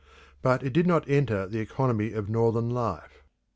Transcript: But it did not enter the economy of Northern life.